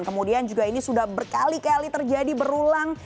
kemudian juga ini sudah berkali kali terjadi berulang